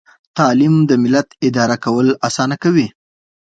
تعلیم د ملت اداره کول اسانه کوي.